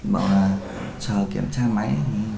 bảo là chờ kiểm tra máy